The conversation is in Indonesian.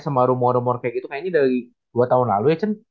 sama rumor rumor kayak gitu kayaknya dari dua tahun lalu ya